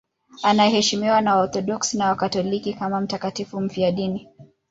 Anaheshimiwa na Waorthodoksi na Wakatoliki kama mtakatifu mfiadini.